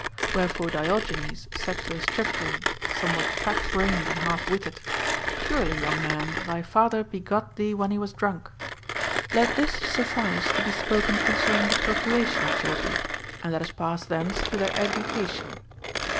Wherefore Diogenes said to a stripling somewhat crack brained and half witted : Surely, young man, thy father begot thee Avhen he was drunk. Let this suffice to be spoken concerning the procreation of children : and let us pass thence to their education.